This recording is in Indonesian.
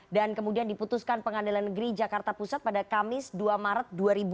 dan kemudian diputuskan pengadilan negeri jakarta pusat pada kamis dua maret dua ribu dua puluh tiga